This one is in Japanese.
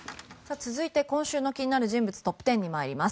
続いて今週の気になる人物トップ１０に参ります。